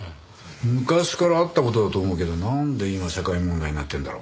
昔からあった事だと思うけどなんで今社会問題になってるんだろう？